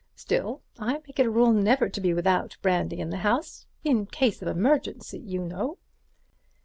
Still, I make it a rule never to be without brandy in the house, in case of emergency, you know?"